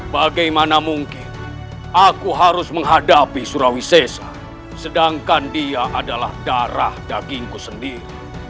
bagaimana mungkin aku harus menghadapi surawisesa sedangkan dia adalah darah dagingku sendiri